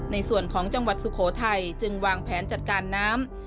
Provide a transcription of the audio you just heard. ในส่วนของจังหวัดสุโขทัยจึงวางแผนจัดการน้ำ